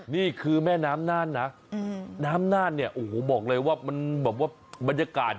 นี่คือแม่น้ำน่านหร่ะน้ำน่านบอกเลยว่าบรรยากาศดี